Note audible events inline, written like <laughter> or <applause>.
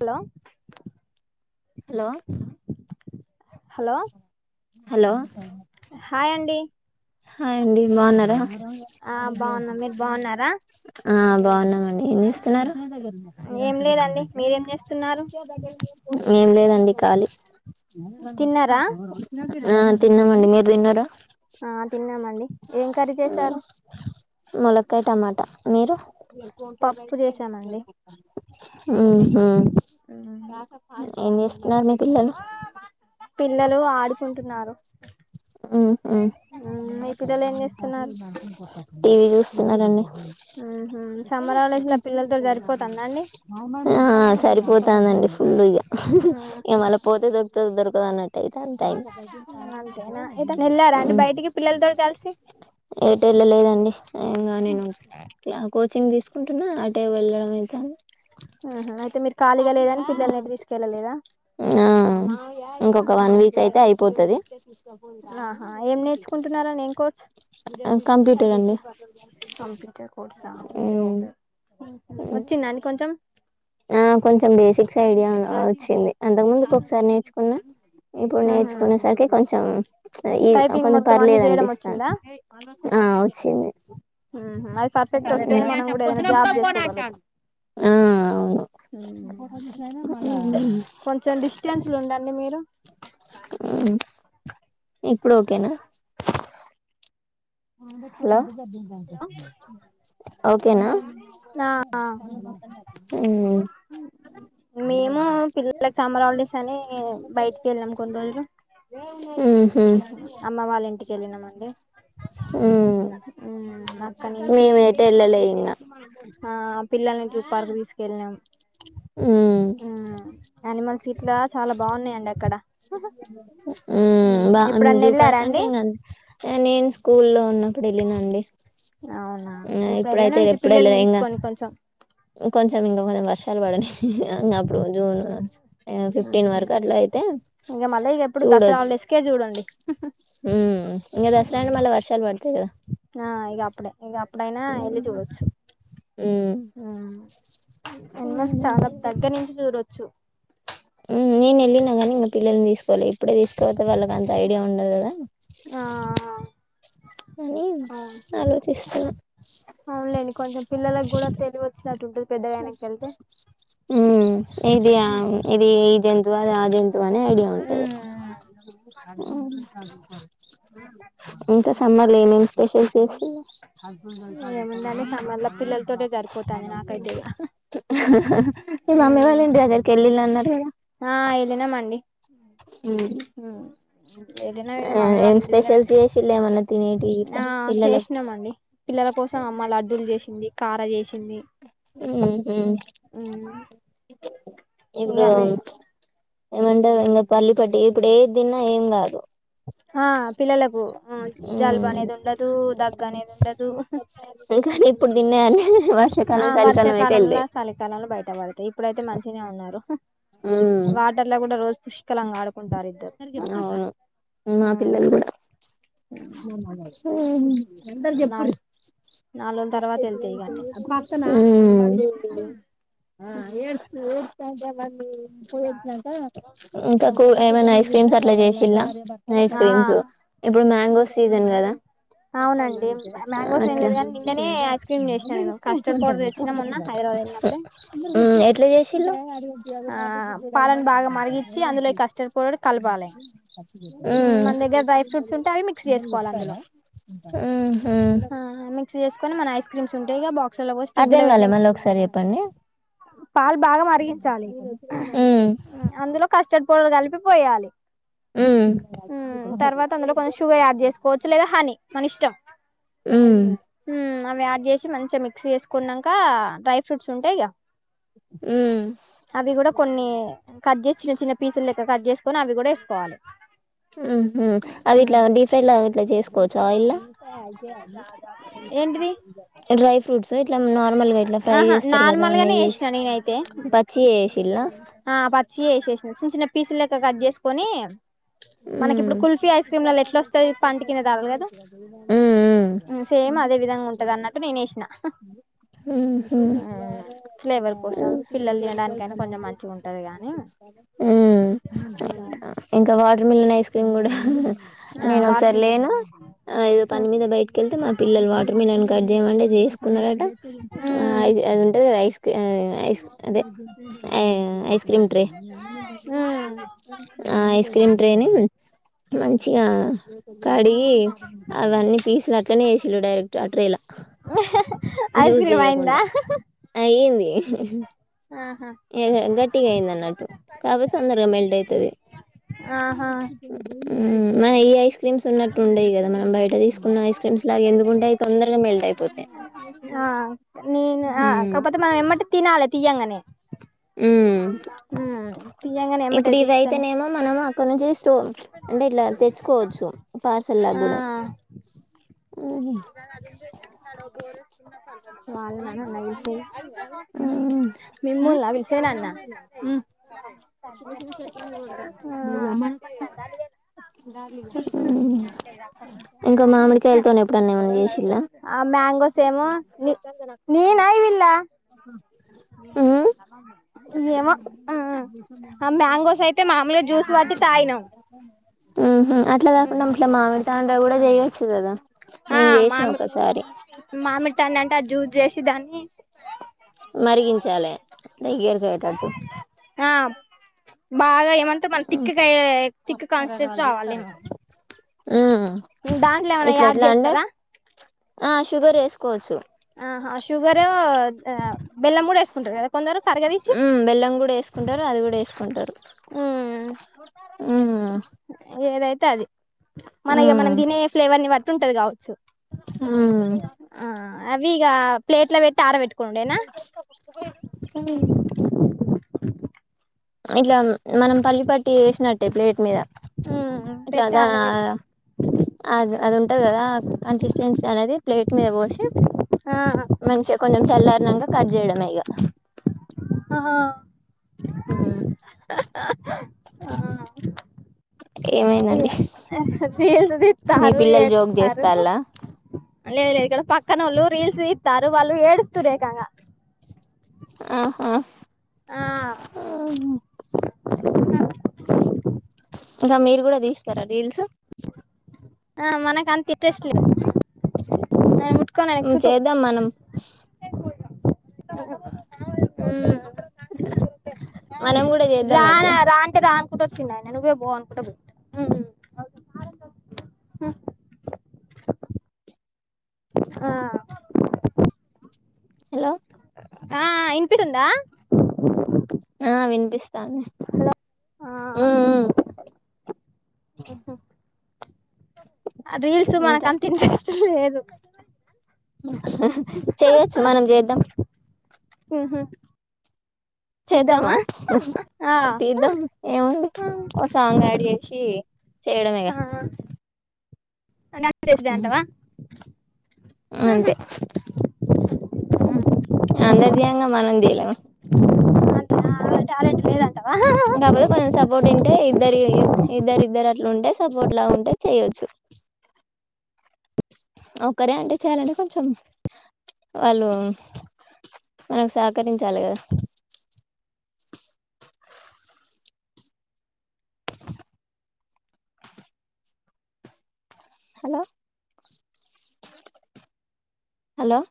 hello hello hello hello hi అండి హండి బాగున్నరా ఆ బాగున్నా మీరు బాగున్నారా ఆ బాగున్నమ్ ఏం జేస్తున్నరు ఏం లేదండి మీరేం చేస్తున్నారు ఏం లేదండి ఖాలీ తిన్నారా ఆ తిన్నమండి మీరు తిన్నరా ఆ తిన్నామండి ఏం కర్రీ చేసారు ములకాయ టమాటా మీరు పప్పు ఉహు చేసామండి ఉమ్, ఏం చేస్తున్నారు మీ పిల్లలు పిల్లలు ఆడుకుంటున్నారు ఉహు ఉమ్, మీ పిల్లలు ఏం చేస్తున్నారు టీవీ చూస్తున్ననండి ఆహ సమ్మర్హాల్డేస్లో పిల్లలతో జరిపోతుందా అండి ఆ సరిపోతందండి ఫుల్ ఇగ ఇగ ఉహు, మళ్ళ పోతే దొరుకుతదో దొరకదో అన్నట్టు అయితది టైము అంతేనా ఏదైనా వెళ్ళారా అండి బయటికి పిల్లలతో కలిసి ఏట్లలేదండి ఏంగ నేను ఆ కోచింగ్ తీసుకుంటున్న అటే వెళ్ళడం అయితంది ఆహ అయితే మీరు కాలీగ లేదని పిల్లల్నేటు తీసుకెళ్లలేదా ఆ ఇంకొక వన్వీక్ అయితే అయిపోతది జెస్ట్ సపోజ్ ఆహా ఏం నేర్చుకుంటున్నరండీ ఏంకోర్స్ ఆ కంప్యూటర్ అండి ఉమ్ వచ్చిందండి కొంచెం ఆ కొంచెం బేసిక్స్ ఐడియా వచ్చింది అంతకు ముందు ఇ ఒకసారి నేర్చుకో ఇప్పుడు ఉహు నేర్చుకునే సరికి కొంచెం ఈ టైపింగ్ కొంచెం మొత్తం అన్ని పర్లేదు చేయడం అనిపిస్తోంది వచ్చిందా ఆ వొచ్చింది ఉహు అది పర్ఫెక్ట్ వస్తేనే మనం కూడా ఏదైనా జాబ్ చేసుకోగలుగుతాం ఆ ఉమ్ కొంచెం డిస్టెన్స్ లో ఉండండి మీరు ఆ ఇప్పుడోకేనా హలో ఓకేనా ఆ ఉమ్ మేము పిల్లలకి సంమరాలడిస్ అని బయటికేళ్ళాం కొన్ని రోజులు ఆహ అమ్మ వాళ్ళ ఇంటికి వెళ్ళినామండి ఉమ్ అక్కడ నుంచి మేమటెళ్ళలే ఇంగా ఆ పిల్లల్ని జూ పార్కు తీసుకెళ్ళినాం ఉమ్ ఉమ్ అనిమల్స్ ఇట్లా చాలా బాగున్నాయండి అక్కడ ఉమ్ ఏప్పుడన్న ఏళ్ళారా అండి అన్ ఆ నేను స్కూల్ల్లో ఉన్నప్పుడు ఏళ్ళినండి అవునా ఇప్పుడు వెళ్లానా ఏంటి పిల్లల్ని తీసుకొని కొంచెం కొంచం ఇంకా కొంచెం వర్షాలు పడని అప్పుడు జూన్ ఫిఫ్టీన్ వరకు అట్లా అయితే ఇంక మళ్ళీ ఇక ఎప్పుడు దసరా చూడొచ్చు హాలిడేస్కే చూడండి హమ్ ఇంకా దసరా అంటే మల్లా వర్షాలు పడతాయి కదా ఆ ఇక అప్పుడే ఇక అప్పుడైనా వెళ్ళి చూడొచ్చు మ్మ్ హమ్ <unintelligible> చాలా దగ్గర నుంచి చూడొచ్చు హమ్ నేను వెళ్ళినా కానీ మా పిల్లల్ని తీసుకుపోలే ఇప్పుడే తీసుకపోతే వాళ్ళకి అంత ఐడియా ఉండదు కదా ఆ అని అలోచిస్తున్నా అవునలేండి కొంచెం పిల్లలకు కూడా తెలివి వచ్చినట్టు ఉంటుంది ఉమ్ ఇది ఆ ఈ జంతువా ఆ జంతువు అనే ఐడియా ఉంటది ఇంకా సమ్మర్లు ఏమేమి స్పెషల్ చేసి హస్బె చ క క ఏముందని క మళ్ళ క పిల్లలతోటే మ సరిపోతుంది నాకైతే ఇక <unintelligible> మీ మమ్మీ వాళ్ళు ఇంటి దగ్గరికి వెళ్ళినా అన్నారు కదా ఆ వెళ్ళినమండి ఉమ్ ఉమ్ ఏదనా ఇగ మల్లా అడగాలి ఇంటి దగ్గర పిల్లలు ఏవీ తినేటి ఆ పిల్లలకు చేసినామండి పిల్లల కోసం అమ్మ లడ్డూలు చేసింది కార చేసింది ఉమ్ హ ఇక ఇప్పుడు అవి ఏమంటారు పల్లిపట్టి ఇప్పుడు ఏది దిన్నా ఏం కాదు ఆ పిల్లలకు జలుబు అనేది ఉండదు దగ్గు అనేది ఉండదు ఏం కాదు ఏప్పుడు తిన్నా కానీ వర్షాకాలం ఆ చలికాలం అయితే వర్షాకాలంలో వెళ్తాయి చలికాలంలో బయట పడతాయి ఇప్పుడైతే మంచిగా ఉన్నరు వాటర్ లో కూడా రోజు పుష్టి శుబ్రంగా ఆడుకుంటారు ఇద్దరు అవును ఆ ఎందరి చెప్పూరి నాలు నాలుగు రోజుల తర్వాత వెళ్తాయి ఇగ అన్ని హమ్ ఆ ఏడుస్తుంది ఇంక ఏమైనా ఐస్ క్రీమ్స్ అట్ల చేసిన్ర ఐస్ ఆ క్రీమ్స్ ఇప్పుడు మ్యాంగోస్ సీజన్ కదా పక్కం అవునండి మ్యాంగోస్ ఏం అతే లేదు కానీ నిన్ననే ఐస్ క్రీమ్ చేసినా నేను కస్టర్డ్ పౌడర్ <unintelligible> తెచ్చినా మొన్న హైదరాబాద్ వెళ్ళినప్పుడే ఉమ్ ఎట్ల చేసి డిగుంటి అ ఆ మ పాలను బాగా మరిగిచ్చి అందులో ఈ కస్టర్డ్ పౌడర్ గుుగుడ కలపాలి <unintelligible> మన దగ్గర డ్రై ఫ్రూట్స్ ఉంటే అవి మిక్స్ చేసుకోవాలి అందులో ఉమ్ ఉమ్ హా మిక్సి చేసుకొని మన ఐస్ క్రీమ్స్ ఉంటాయి గా బాక్స్ ల లో పోసి ఫ్రిడ్జ్ అర్ధం లో కాలే పెట్ట మళ్ళీ ఒకసారి చెప్పండి పాలు బాగా మరిగించాలి మ్మ్ అందులో కస్టర్డ్ పౌడర్ కలిపిపోయాలి ఉమ్ ఉమ్ తర్వాత అందులో కొంచెం షుగర్ యాడ్ చేసుకోవచ్చు లేదా హనీ మన ఇష్టం మ్మ్ ఉమ్ అవి యాడ్ చేసి మంచిగా మిక్సి చేసుకున్నాక డ్రై ఫ్రూట్స్ ఉంటాయి మ్మ్ అవి కూడా కొన్నీ కట్ చేసి చిన్న చిన్న పీసులు లెక్క కట్ చేసుకొని అవి కూడా వేసుకోవాలి ఉమ్ హా అవి ఇట్లా డీప్ ఫ్రై లా ఇట్ల చేసుకోవచ్చా ఆయిల్ లో ఏంటిది డ్రై ఫ్రూట్స్ ఇట్లా నార్మల్గా ఇట్లా ఫ్రై ఆహా చేస్తారు కదా నార్మల్ గానే నెయ్యి ఎసి వేసిన నేనైతే పచ్చియే ఎసిల్లా ఆ పచ్చి ఏసేసి చిన్న చిన్న పీసులెక్క కట్ చేసుకొని మనకి ఇప్పుడు కుల్ఫీ ఐస్ క్రీమ్లలో ఎట్లా వస్తంది పంటి అయితే కింద తగలదు ఉం సేమ్ అదే విధంగా ఉంటది అన్నట్టు నేను ఏసిన ఉ హుమ్ ఫ్లేవర్ ఉం కోసం పిల్లలు తినడానికైనా కొంచెం మంచిగా ఉంటది గానీ ఇంక వాటర్ మిలన్ ఐస్ క్రీమ్ గుడా ఆ నేను ఒకసారి వాటి లేను ఆ ఏదో పని మీద బయటకెళ్తే మా పిల్లలు వాటర్ మీలన్ కట్ చేయమ అంటే చేసు కున్నరట ఆ మ్మ్ అది ఉంటది గదా ఐస్ ఆ ఐస్ అదే ఐస్ క్రీమ్ ట్రే మ్మ్ ఆ ఐస్ క్రీమ్ ట్రే నీ మంచిగా కడిగి అవన్నీ పీసలు అట్లానే ఏసి డైరెక్ట్ ఆ ట్రేలా <inaudible> జ్యూస్ చెయకుండ అయిందా అయింది ఆహా ఏహ గట్టిగా అయింది అన్నట్టు కాబోతే తొందరగ మెల్ట్ అయితది ఆహా మూ మ ఈ ఐస్ క్రీమ్స్ ఉన్నట్టు ఉండయి గద మనం బయట తీసుకున్న ఐస్ క్రీమ్స్ లాగ ఎందుకుంటయి తొందరగ మెల్ట్ అయిపోతయి ఆ నేను కాకపోతే మనం ఏమ్మటి తినాలి తీయంగానే ఉం మ్మ్ తీయంగానే ఎమ్మటే ఇప్పుడు ఇవి తీస్తేనే అయితేనేమో మనం అక్కడ నుంచి స్టో అంటే ఇట్లా తెచ్చుకోవచ్చు పార్సల్ లా కూడా హూ హమ్ చెబ <unintelligible> మాారు త అంతంారు మిమ్ముల్నా రంగమ్మ పిలిచేది నాన్న <unintelligible> అ జ మాా అమాన <unintelligible> ఇంకా మామిడికాయలతోనే ఎప్పుడన్నా ఏమన్నా చేసిల్లా ఆ మ్యాంగోస్ ఏమో నీనా వెళ్ల ఉమ్ ఏమో ఆ మ్యాంగోస్ అయితే మామూలుగా జ్యూస్ పట్టి తాగినాం హు హమ్ అట్లా కాకుండా అట్లా మామిలు తాండ్ర కూడా చేయొచ్చు కదా ఆ నేను చేసిన మామి ఒకసారి మామిడి తాండ అంటే ఆ జూస్ చేసి దాన్ని మరిగించాలి దగ్గరికి అయ్యేటట్టు ఆ బాగా ఏమంటే మన తిక్క్కయగే తిక్క్ కాన్స్టెన్స్ రావాలి ఉం ఏమైనా ఇట్లా యాడ్ ఎట్లా అంటే చేస్తారా ఆ షుగర్ వేసుకోవచ్చు ఆహా షుగర్ బెల్లం కూడ వేసుకుంటారు కదా కొందరు కరగదిసి ఉమ్ బెల్లం కూడా వేసుకుంటారు అది కూడా వేసుకుంటారు ఏదైతే అది మన ఉమ్ మనం తినే ఫ్లేవర్ ని బట్టి ఉంటది కావచ్చు ఆ ఆ అవి ఇగ ప్లేట్ల పెట్టి ఆర పెట్టుకోనుడేనా <inaudible> ఇట్లా మనం పల్లి పట్టి ఏసినట్టే ప్లేట్ మీద ఉం ఇట్లా పెట్టి దా ఆర పెట్టి అది అది ఉంటంది కదా కన్సిస్టెన్సీ అనేది ప్లేట్ మీద పోసి ఆ మంచే కొంచెం చల్లారనాక కట్ చేయడం ఇగ ఆహా ఉ ఆ ఏమైందండీ చీల్స్ తీతరు ఏటరు లేదు చేస్తాలా లేదు ఇక్కడ పక్కన ఓళ్ళు రీల్స్ తీస్తారు వాళ్ళు ఏడుస్తరు ఏకంగా ఆహా ఆ హు హా ఇంకా మీరు కూడా తీస్తారా రీల్స్ ఆ మనక అంత ఇంట్రెస్ట్ లేదు నేన్ పుట్ కోనేసుడు చేద్దాం మనం ఉ మనం కూడా ర చేద్దాం రా అయితే రా అంటే రా కుంట వచ్చిండు ఆయన నువ్వే పో అనుకుంటా పోయిండు ఉ ఆ హలో ఆ వినిపిస్తుందా ఆ వినిపిస్తాది ఆ ఉ ఉ ఉహు ఆ రీల్స్ మనకు ఇంకా అంత ఇంట్రెస్ట్ లేదు చేయొచ్చు మనం చేద్దాం ఉహు తీద్దామా చేద్దామా ఆ తీద్దాం ఏముంది ఓ సాంగ్ యాడ్ చేసి చేయడమే ఆ సాంగ్ యాడ్ చేసుడే అంటావా అంతే ఉ అందరు తీయంగా మనం తీయలేమా టాలెంట్ లేదంటవా గా పోదా పంచ్ సపోర్ట్ ఉంటే ఇద్దరు యు ఇద్దరు ఇద్దరు అట్లు ఉంటే సపోర్ట్ లా ఉంటే తీయొచ్చు ఒకరే అంటే చేయాలంటే కొంచెం వాళ్ళు మనకు సకరించాలి కదా హలో హలో